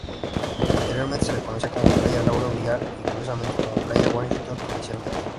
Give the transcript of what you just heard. Anteriormente se le conocía como Playa Lauro Villar y, curiosamente como Playa Washington inicialmente.